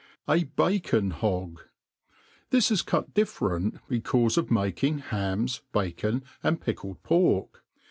j( Bac9n Hogn THIS i< cutdiiFerrnt, btcaore of making hams, bacon, and Eickled pork.